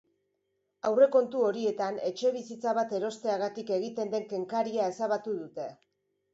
Aurrekontu horietan etxebizitza bat erosteagatik egiten den kenkaria ezabatu dute.